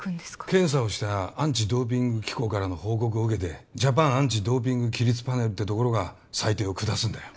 検査をしたアンチ・ドーピング機構からの報告を受けてジャパンアンチ・ドーピング規律パネルってところが裁定を下すんだよ